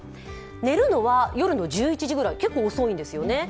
寝るのは夜の１１時くらい、結構遅いんですよね。